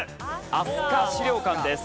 飛鳥資料館です。